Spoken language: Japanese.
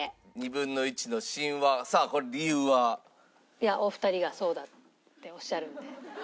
いやお二人がそうだっておっしゃるんで。